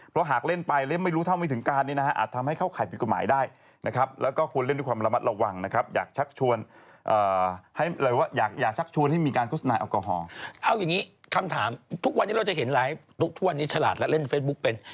เอาอย่างนี้คำถามทุกวันนี้เราจะเห็นไลฟ์ทุกวันนี้ฉลาดแล้วเล่นเฟซบุ๊กเป็น